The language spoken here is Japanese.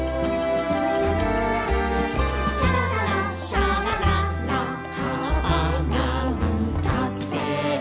「シャラシャラシャラララ葉っぱが歌ってる」